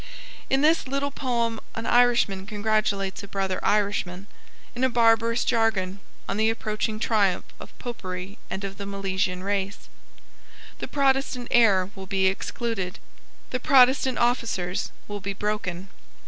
In this little poem an Irishman congratulates a brother Irishman, in a barbarous jargon, on the approaching triumph of Popery and of the Milesian race. The Protestant heir will be excluded. The Protestant officers will be broken.